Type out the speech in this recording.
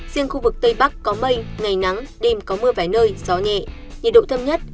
riêng khu vực tây bắc có mây ngày nắng đêm có mưa vài nơi gió nhẹ nhiệt độ thấp nhất